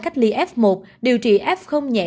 cách ly f một điều trị f nhẹ